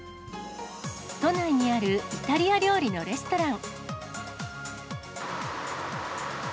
都内にあるイタリア料理のレストラン。